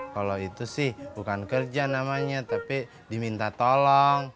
kalau itu sih bukan kerja namanya tapi diminta tolong